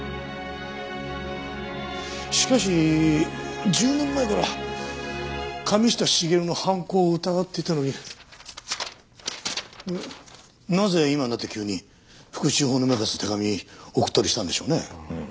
しかし１０年前から神下茂の犯行を疑っていたのになぜ今になって急に復讐をほのめかす手紙送ったりしたんでしょうね？